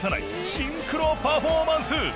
シンクロパフォーマンス